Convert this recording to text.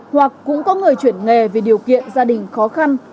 hoặc cũng có người chuyển nghề vì điều kiện gia đình khó khăn